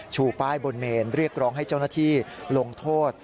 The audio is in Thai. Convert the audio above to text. ชูป้ายบนเมนเรียกร้องให้เจ้าหน้าที่ลงโทษ